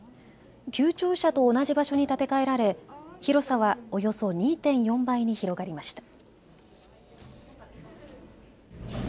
旧庁舎と同じ場所に建て替えられ広さはおよそ２．４倍に広がりました。